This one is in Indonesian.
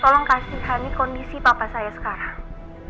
tolong kasih hani kondisi papa saya sekarang